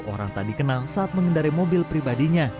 orang tadi kenal saat mengendari mobil pribadinya